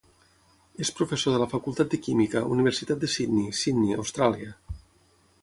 És professor de la Facultat de química, Universitat de Sydney, Sydney, Austràlia.